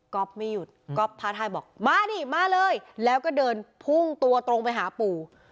ไม่หยุดก๊อปท้าทายบอกมาดิมาเลยแล้วก็เดินพุ่งตัวตรงไปหาปู่